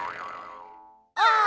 あ。